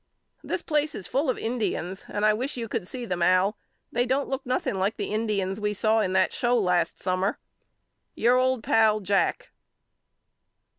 This place is full of Indians and I wish you could see them AL They don't look nothing like the Indians we seen in that show last summer. Your old pal, JACK.